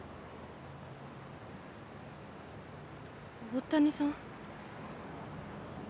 大谷さん。